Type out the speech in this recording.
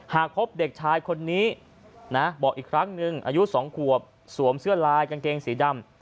หากพบเด็กชายคนนี้นะบอกอีกครั้งหนึ่งอายุ๒ขวบสวมเสื้อลายกางเกงสีดำ